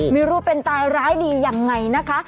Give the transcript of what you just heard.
มันรู้เป็นตายร้ายดีอย่างไรนะคะ